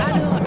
iya apa sih